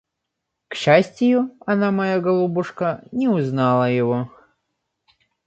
К счастию, она, моя голубушка, не узнала его.